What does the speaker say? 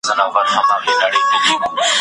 بهرنيو توليداتو د رقابت مخه ونيوله.